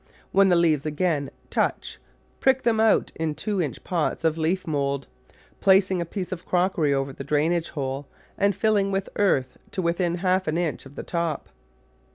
When the leaves again touch prick them out in two inch pots of leaf mould, placing a piece of crockery over the drainage hole and filling with earth to within half an inch of the top.